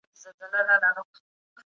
څېړونکي اوس مهال په نویو موضوعاتو کار کوي.